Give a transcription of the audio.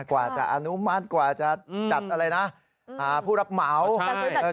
กว่าจะอนุมัติกว่าจะจัดอะไรนะผู้รับเหมา